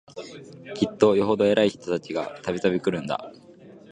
きっとよほど偉い人たちが、度々来るんだ